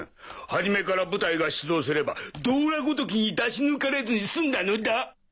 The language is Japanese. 初めから部隊が出動すればドーラごときに出し抜かれずにすんだのだ！